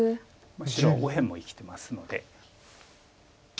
白は右辺も生きてますので。